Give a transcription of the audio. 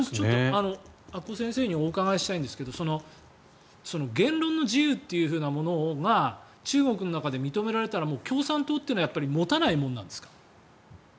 阿古先生にお伺いしたいんですが言論の自由というものが中国の中で認められたら共産党というのは持たないものなんですか？